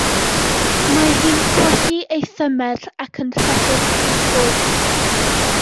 Mae hi'n colli ei thymer ac yn rhedeg i ffwrdd.